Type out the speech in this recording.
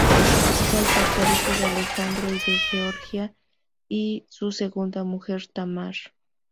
Fue el tercer hijo de Alejandro I de Georgia y su segunda mujer Tamar.